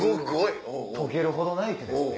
解けるほど泣いてですね。